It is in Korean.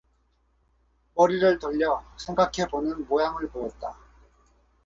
머리를 돌려 생각해 보는 모양을 보였다.